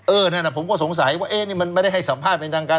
นั่นผมก็สงสัยว่าเอ๊ะนี่มันไม่ได้ให้สัมภาษณ์เป็นทางการ